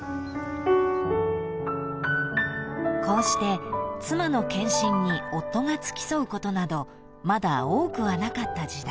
［こうして妻の健診に夫が付き添うことなどまだ多くはなかった時代］